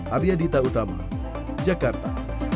arya dita utama jakarta